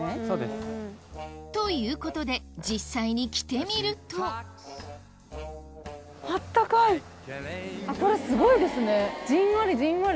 そうです。ということで実際に着てみるとこれすごいですね。